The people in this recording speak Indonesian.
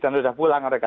dan sudah pulang mereka